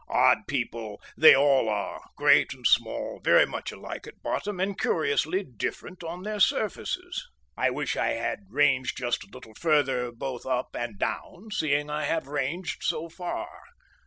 Odd people they all are great and small, very much alike at bottom and curiously different on their surfaces. I wish I had ranged just a little further both up and down, seeing I have ranged so far.